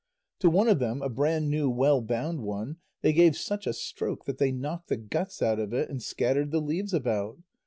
To one of them, a brand new, well bound one, they gave such a stroke that they knocked the guts out of it and scattered the leaves about.